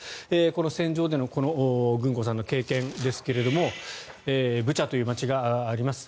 この戦場でのグンコさんの経験ですがブチャという街があります。